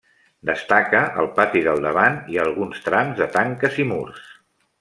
Destaca el pati del davant i alguns trams de tanques i murs.